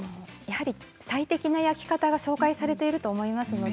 最適な焼き方が紹介されていると思うので